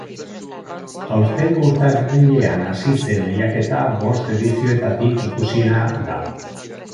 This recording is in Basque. Aurtengo urtarrilean hasi zen lehiaketa bost edizioetatik ikusiena da.